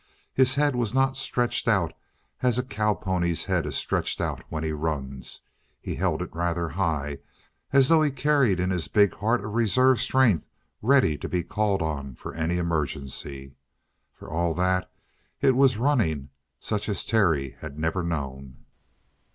His head was not stretched out as a cow pony's head is stretched when he runs; he held it rather high, as though he carried in his big heart a reserve strength ready to be called on for any emergency. For all that, it was running such as Terry had never known.